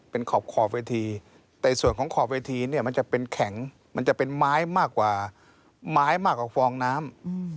เป็นขอบเวทีแต่ส่วนของขอบเวทีเนี่ยมันจะเป็นแข็งมันจะเป็นไม้มากกว่าไม้มากกว่าฟองน้ำ